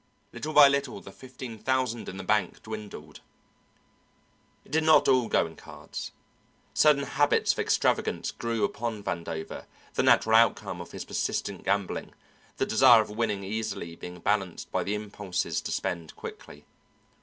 Little by little the fifteen thousand in the bank dwindled. It did not all go in cards. Certain habits of extravagance grew upon Vandover, the natural outcome of his persistent gambling, the desire of winning easily being balanced by the impulses to spend quickly.